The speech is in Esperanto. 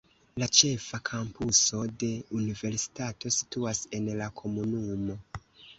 La ĉefa kampuso de universitato situas en la komunumo.